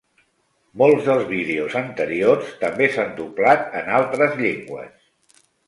Molts dels vídeos anteriors també s'han doblat en altres llengües.